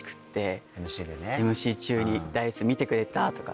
ＭＣ中に「Ｄａ−ｉＣＥ見てくれた？」とか。